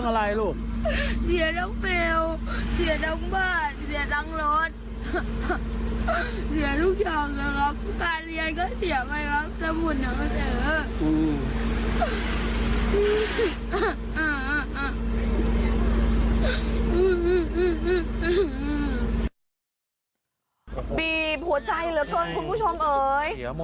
ไฟไหม้ใช่ไหม